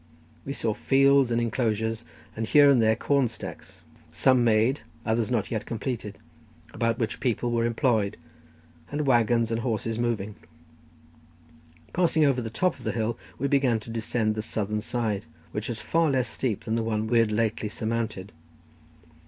We saw fields and inclosures, and here and there corn stacks, some made, and others not yet completed, about which people were employed, and waggons and horses moving. Passing over the top of the hill, we began to descend the southern side, which was far less steep than the one we had lately surmounted.